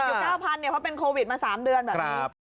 ติดอยู่เก้าพันเนี่ยเพราะเป็นโควิดมาสามเดือนแบบนี้ครับ